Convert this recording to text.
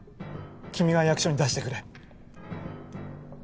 君が役所に出してくれ。